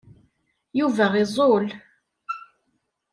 Yuba iẓul.